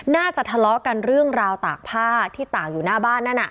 น่าจะทะเลาะกันเรื่องราวตากผ้าที่ตากอยู่หน้าบ้านนั่นน่ะ